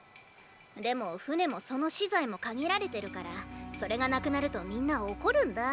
でも船もその資材も限られてるからそれがなくなるとみんな怒るんだ。